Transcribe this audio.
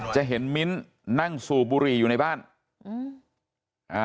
จะเห็นมิ้นนั่งสูบบุหรี่อยู่ในบ้านอืมอ่า